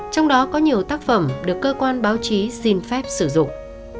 trong đó có nhiều tác phẩm được cơ quan báo chí xin phép sử dụng